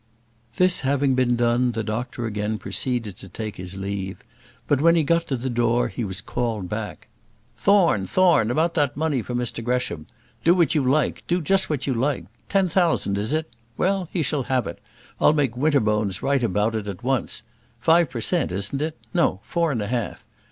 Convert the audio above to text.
This having been done, the doctor again proceeded to take his leave; but when he got to the door he was called back. "Thorne! Thorne! About that money for Mr Gresham; do what you like, do just what you like. Ten thousand, is it? Well, he shall have it. I'll make Winterbones write about it at once. Five per cent., isn't it? No, four and a half.